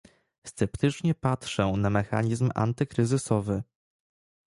Sceptycznie patrzę na mechanizm antykryzysowy